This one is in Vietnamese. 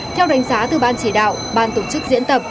theo đánh giá từ ban chỉ đạo ban tổ chức diễn tập